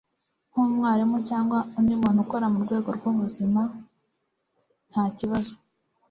nk'umwarimu cyangwa undi muntu ukora mu rwego rw'ubuzima, nta kibazo